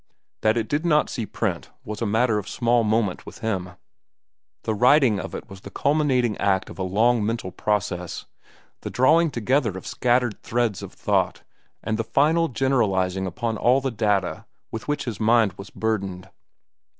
That it did not see print was a matter of small moment with him. The writing of it was the culminating act of a long mental process, the drawing together of scattered threads of thought and the final generalizing upon all the data with which his mind was burdened.